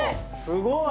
すごい！